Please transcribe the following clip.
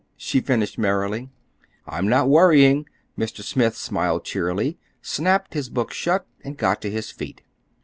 she finished merrily. "I'm not worrying!" Mr. Smith smiled cheerily, snapped his book shut and got to his feet.